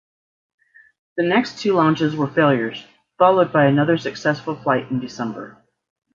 The next two launches were failures, followed by another successful flight in December.